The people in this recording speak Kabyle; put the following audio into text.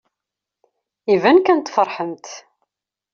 Iban kan tfeṛḥemt.